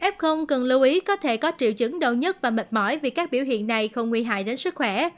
f cần lưu ý có thể có triệu chứng đau nhất và mệt mỏi vì các biểu hiện này không nguy hại đến sức khỏe